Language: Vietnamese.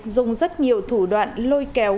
dùng rất nhiều thủ đoạn lôi kéo